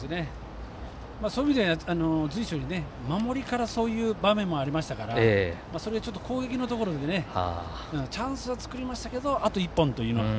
そういう意味では随所に守りからそういう場面もありましたからちょっと攻撃のところでチャンスは作りましたけどあと１本というのが。